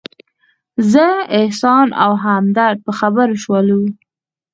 زه، احسان او همدرد په خبرو شولو.